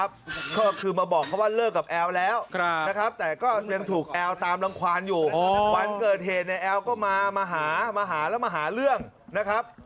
เพื่อนผมเห็นว่าผมโดนรุมแล้วต่อทำทางเหมือนกับฝากตัวเลยนะครับ